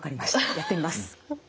やってみます。